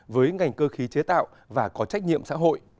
với ngành cơ khí chế tạo và có trách nhiệm xã hội